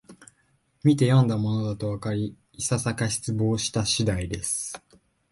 みてよんだものだとわかり、いささか失望した次第です